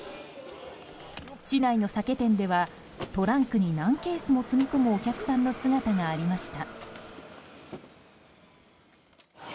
市内の酒店ではトランクに何ケースも積み込むお客さんの姿がありました。